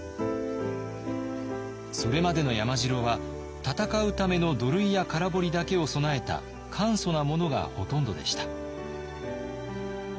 それまでの山城は戦うための土塁や空堀だけを備えた簡素なものがほとんどでした。